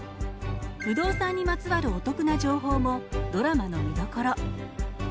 不動産にまつわるお得な情報もドラマの見どころ。